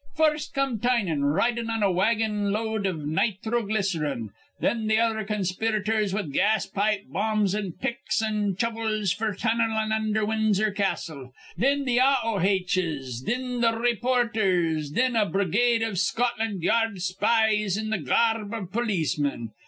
First come Tynan ridin' on a wagon load iv nithroglycerine; thin th' other conspirators, with gas pipe bombs an' picks an' chuvvels f'r tunnellin' undher Winzer Castle; thin th' Ah o haitches; thin th' raypoorthers; thin a brigade iv Scotland Ya ard spies in th' ga arb iv polismin.